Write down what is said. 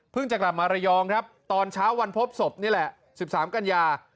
จะกลับมาระยองครับตอนเช้าวันพบศพนี่แหละ๑๓กันยา